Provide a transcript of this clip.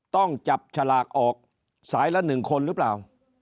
ต้องจับฉลากออกสายละ๑คนหรือเปล่า